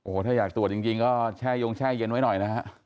ถ้าอยากตรวจจริงก็แช่ยงแช่เย็นไว้หน่อยนะฮะ